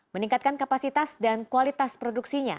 meningkatkan kapasitas dan kualitas produksinya